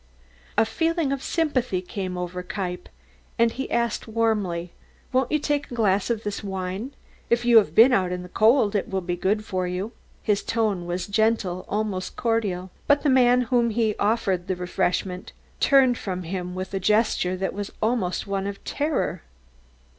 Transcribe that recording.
A feeling of sympathy came over Kniepp and he asked warmly: "Won't you take a glass of this wine? If you have been out in the cold it will be good for you." His tone was gentle, almost cordial, but the man to whom he offered the refreshment turned from him with a gesture that was almost one of terror.